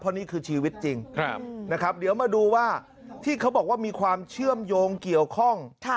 เพราะนี่คือชีวิตจริงนะครับเดี๋ยวมาดูว่าที่เขาบอกว่ามีความเชื่อมโยงเกี่ยวข้อง